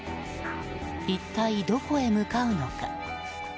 一体どこへ向かうのか？